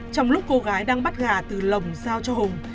trong lúc cô gái đang bắt gà từ lồng giao cho hùng